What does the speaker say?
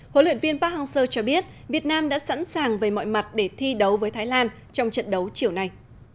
huấn luyện viên park hang seo cho biết việt nam đã sẵn sàng về mọi mặt để thi đấu với thái lan trong trận đấu chiều nay